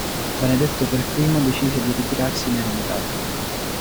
Benedetto per primo decise di ritirarsi in eremitaggio.